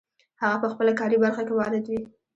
هغه په خپله کاري برخه کې وارد وي.